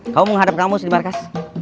kamu mau ngadep kamus di markas